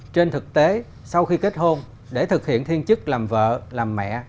trên thực tế sau khi kết hôn để thực hiện thiên chức làm vợ làm mẹ